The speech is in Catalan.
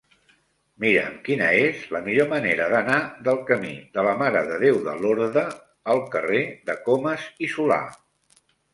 Mira'm quina és la millor manera d'anar del camí de la Mare de Déu de Lorda al carrer de Comas i Solà.